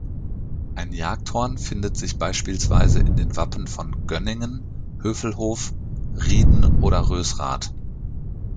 Ein Jagdhorn findet sich beispielsweise in den Wappen von Gönningen, Hövelhof, Rieden oder Rösrath.